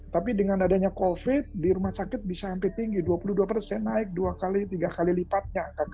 tapi dengan adanya covid di rumah sakit bisa hampir tinggi dua puluh dua persen naik dua kali tiga kali lipatnya